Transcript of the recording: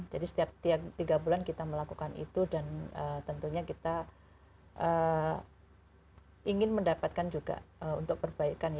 jadi setiap tiga bulan kita melakukan itu dan tentunya kita ingin mendapatkan juga untuk perbaikan ya